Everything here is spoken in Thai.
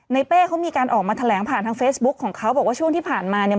เป้เขามีการออกมาแถลงผ่านทางเฟซบุ๊คของเขาบอกว่าช่วงที่ผ่านมาเนี่ย